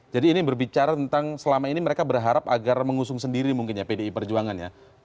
jadi ini berbicara tentang selama ini mereka berharap agar mengusung sendiri mungkin ya pdip perjuangan ya